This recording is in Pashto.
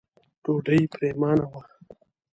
ډوډۍ پرېمانه وه.